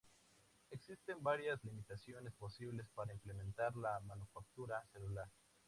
Existen varias limitaciones posibles para implementar la manufactura celular.